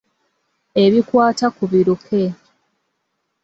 Ebikwata ku biruke.